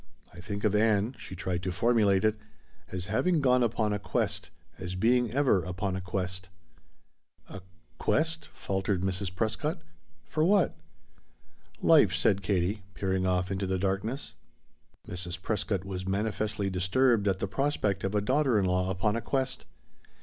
I think of Ann," she tried to formulate it, "as having gone upon a quest, as being ever upon a quest." "A quest?" faltered Mrs. Prescott. "For what?" "Life," said Katie, peering off into the darkness. Mrs. Prescott was manifestly disturbed at the prospect of a daughter in law upon a quest.